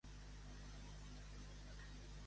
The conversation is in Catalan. Què és, però, el més fatigós de l'escrit?